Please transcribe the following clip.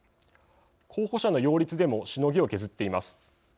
候補者の擁立でもしのぎを削っています。